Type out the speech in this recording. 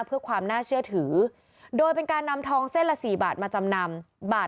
เพื่อความน่าเชื่อถือโดยเป็นการนำทองเส้นละ๔บาทมาจำนำบาท